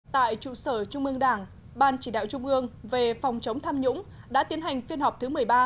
tại trụ sở trung ương đảng ban chỉ đạo trung ương về phòng chống tham nhũng đã tiến hành phiên họp thứ một mươi ba